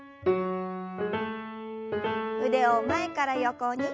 腕を前から横に。